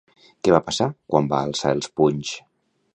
Què va passar quan va alçar els punys?